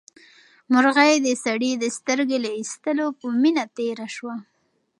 مرغۍ د سړي د سترګې له ایستلو په مینه تېره شوه.